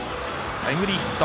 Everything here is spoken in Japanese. タイムリーヒット。